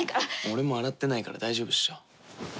俺も洗ってないから大丈夫っしょ。